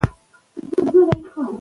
ډاکټر وویل خوله د ناروغۍ نښه کېدای شي.